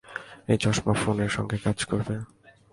এ চশমা ফোনের সঙ্গে কাজ করবে।